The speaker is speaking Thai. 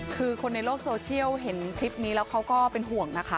คือคนในโลกโซเชียลเห็นคลิปนี้แล้วเขาก็เป็นห่วงนะคะ